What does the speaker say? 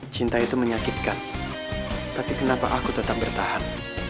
cinta itu menyakitkan tapi kenapa aku tetap bertahan